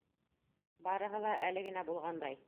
Барыһы ла әле генә булғандай.